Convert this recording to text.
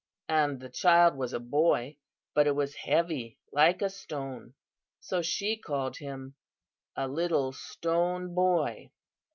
And the child was a boy, but it was heavy like a stone, so she called him a 'Little Stone Boy.